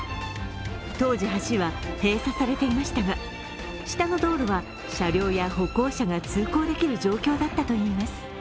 当時、橋は閉鎖されていましたが下の道路は車両や歩行者が通航できる状態だったといいます。